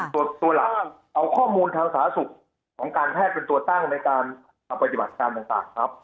ตัวหลักเอาข้อมูลทางสาธารณสุขของการแพทย์เป็นตัวตั้งในการทำปฏิบัติการต่างครับ